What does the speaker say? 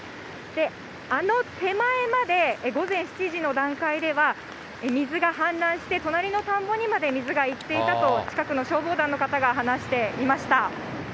あの手前まで午前７時の段階では、水が氾濫して、隣の田んぼにまで水が行っていたと、近くの消防団の方が話していました。